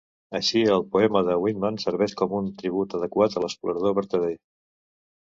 Així, el poema de Whitman serveix com un tribut adequat a l'explorador vertader.